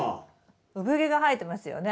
産毛が生えてますよね。